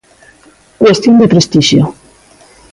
Cuestión de prestixio.